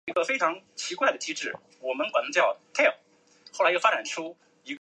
斑鬣狗能够发出低沉及像鸟的吠声和很像人的笑声。